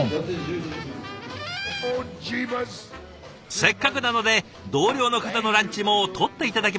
せっかくなので同僚の方のランチも撮って頂きました。